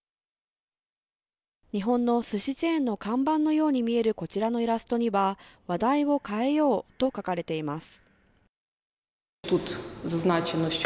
日本のすしチェーンの看板のように見えるこちらのイラストには話題を変えようと書かれています。